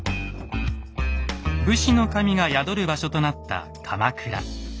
武士の神が宿る場所となった鎌倉。